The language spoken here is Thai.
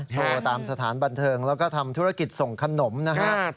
โทรตามสถานบันเทิงแล้วก็ทำธุรกิจส่งขนมนะฮะ